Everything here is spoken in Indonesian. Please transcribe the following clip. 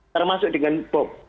termasuk dengan bom